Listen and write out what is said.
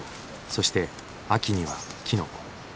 そして秋にはきのこ。